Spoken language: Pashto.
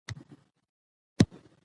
د ژبي زده کړه، د پرمختګ پیل دی.